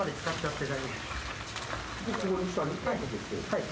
はい。